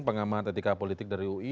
pengamahan etika politik dari ui